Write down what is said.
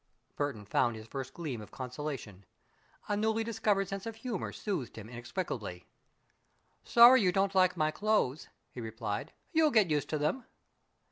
Burton found his first gleam of consolation. A newly discovered sense of humor soothed him inexplicably. "Sorry you don't like my clothes," he replied. "You'll get used to them."